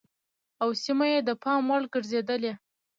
او سيمه يې د پام وړ ګرځېدلې